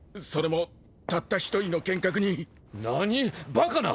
バカな！